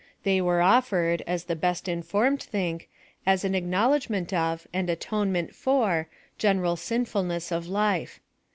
They were offered, as the oest informed think, as an acknowledgemeat of, and atonement for, general sinfulness of life.